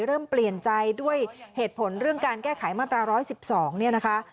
เริ่มเปลี่ยนใจด้วยเหตุผลเรื่องการแก้ไขมาตรา๑๑๒เนี่ยนะคะ